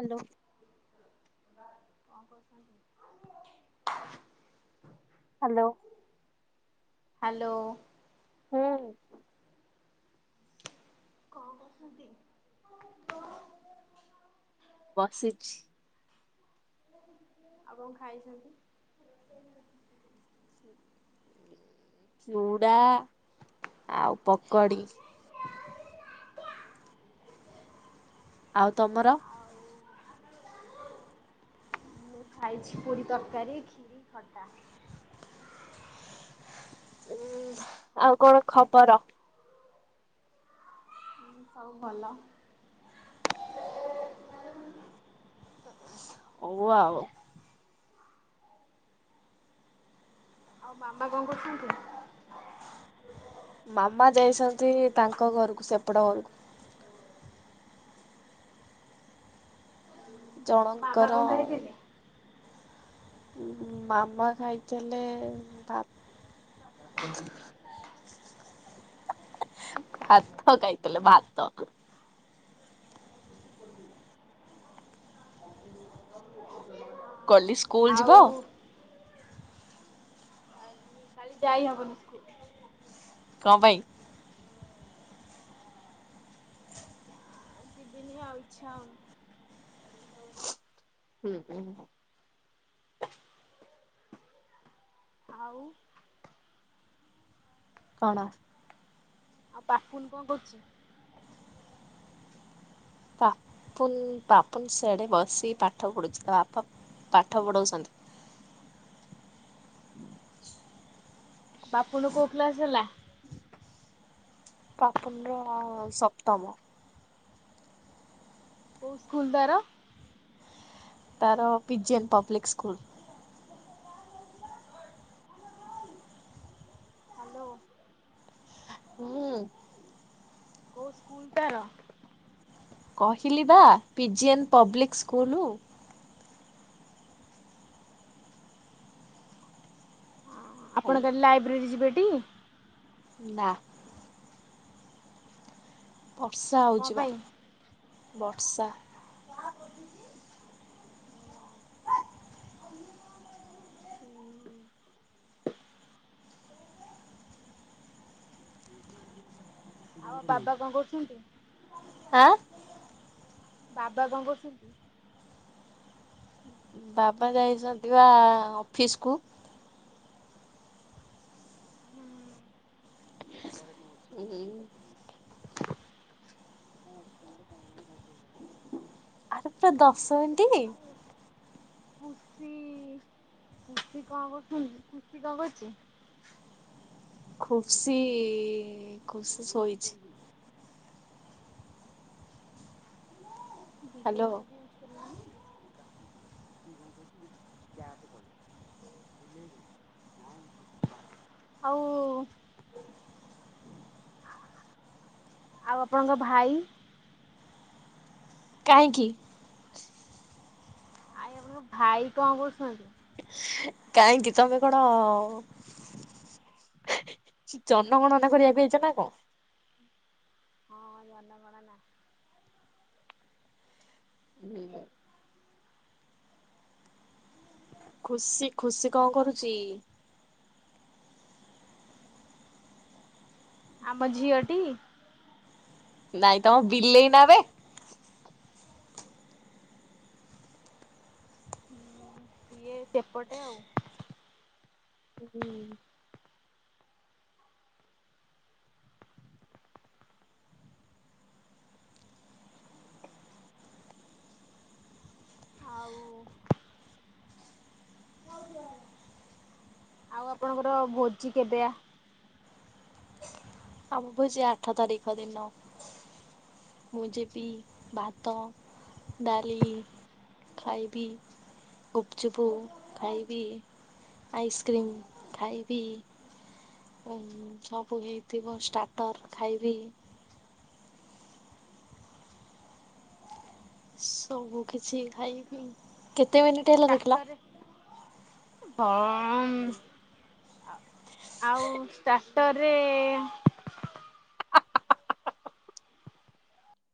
Hello. କଣ କରୁଛନ୍ତି? Hello. Hello. ହୁଁ। କଣ କରୁଛନ୍ତି? ବସିଛି। ଆଉ କଣ ଖାଇଛନ୍ତି? ଚୁଡ଼ା ଆଉ ପକଡି। ଆଉ ତମର? ଆଉ [inaudible] ମୁଁ ଖାଇଛି ପୁରୀ ତରକାରୀ ଖିରି ଖଟା। ଉଁ ଆଉ କଣ ଖବର? ହଁ ସବୁ ଭଲ। ହଉ ଆଉ। ଆଉ ମାମା କଣ କରୁଛନ୍ତି? ମାମା ଯାଇଛନ୍ତି ତାଙ୍କ ଘରକୁ ସେପଟ ଘରକୁ। ମାମା ଜଣଙ୍କର କଣ ଖାଇଥିଲେ? ମାମା ଖାଇଥିଲେ ଭା ଆଜ୍ [unintelligible] ଭାତ ଖାଇଥିଲେ ଭାତ। ଆ [unintelligible] କଲି ସ୍କୁଲ ଯିବ? କାଲି ଯାଇ ହବନି ସ୍କୁଲ। କ ପାଇଁ। ଆ ଯିବିନି ଆଉ ଇଛା ହଉନି। ହୁଁ ହୁଁଁ। [unintelligible] ଆଉ। କଣ? ଆଉ ପାପୁନ୍ କଅ କରୁଚି? ପାପୁନ୍ ପାପୁନ୍ ସିଆଡ଼େ ବସି ପାଠ ପଢ଼ୁଛି ତା ବାପା ପାଠ ପଢ଼ାଉଛନ୍ତି। ବାପୁନୁ କୋଉ କ୍ଲାସ ହେଲା। ପାପୁନ୍ ରଅ ସପ୍ତମ। କୋଉ ସ୍କୁଲ ତାର। ତାର ପିଜିଏନ୍ ପବ୍ଲିକ୍ ସ୍କୁଲ। ହାଲୋ। ହୁଁ। କୋଉ ସ୍କୁଲ ତାର। କହିଲି ବା ପିଜିଏନ୍ ପବ୍ଲିକ ସ୍କୁଲ। ଆପଣ କାଲି ଲାଇବ୍ରେରୀ ଯିବେଟି। ନା। ବର୍ଷା କଣ ହଉଚି ବା ପାଇଁ? ବର୍ଷା। [unintelligible] [unintelligible] ଆଉ ବାବା କଅ କଉଛନ୍ତି? [unintelligible] ବାବା କଅ କରୁଛନ୍ତି? ବାବା ଯାଇଛନ୍ତି ବା ଅଫିସ୍ କୁୁ। ଘରେ କଅ ଅଛି କ ମୁଁ ପତେଇଦେବି। କଅ ଅଛି ତମର କଅ ନାହିଁ ପୁରା ଦଶଏଣ୍ଟି। କୁସି କୁସି କଅ କରୁଛନ୍ତି ଖୁସି କଅ କରୁଚି? ଖୁସି ଖୁସି ସୋଇଛି। ବିଲେଇ ହ୍ୟାଲୋ ନାଁ ବି ଇଉଜୁ କରିବୁନି [unintelligible] ବିଲେଇ [unintelligible] ହଉ। [unintelligible] ଆଉ ଆପଣଙ୍କ ଭାଇ। କାହିଁକି? ଆଇ ଆପଣଙ୍କ ଭାଇ କଅ କରୁଛନ୍ତି? କାହିଁକି ତମେ କଣ? ଜନଗଣନା କରିବାକୁ ଆଇଚ ନା କଅ? ହଁ ଜନଗଣନା। [inaudible] ଖୁସି ଖୁସି କଅ କରୁଚି? [inaudible] ଆମ ଝିଅଟି। ନାଇଁ ତମ ବିଲେଇ ନାଁ ବେ। ହୁଁ ସିଏ ସେପଟେ ଆଉ ହୁଁ। ଆଉ [inaudible] ଆଉ ଆପଣଙ୍କର ଭୋଜି କେବେ ଆ ଆମ ଭୋଜି ଆଠ ତାରିଖ ଦିନ। ମୁଁ ଯିବି ଭାତ ଡାଲି। ଖାଇବି। ଗୁପ୍ ଚୁପୁ ଖାଇବି ଆଇସକ୍ରିମ ଖାଇବି। ଓ ସବୁ ହେଇଥିବ ଷ୍ଟାଟର ଖାଇବି, ସବୁ କିଛି ଖାଇ କେତେ ମିନିଟ୍ ହେ ଚାରିଟାରେ ହଁ [inaudible] ଆଉ ଷ୍ଟାର୍ଟରରେ